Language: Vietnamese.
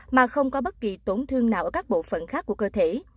mà không có bất kỳ tổn thương nào ở các bộ phận khác của cơ thể